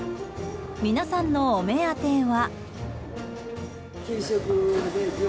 皆さんのお目当ては。